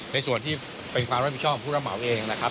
ในส่วนที่เป็นความรับผิดชอบของผู้รับเหมาเองนะครับ